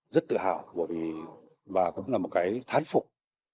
rất tự hào và cũng là một cái thán phục